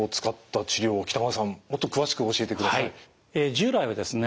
従来はですね